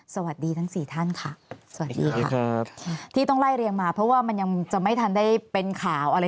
สวัสดีทั้ง๔ท่านค่ะ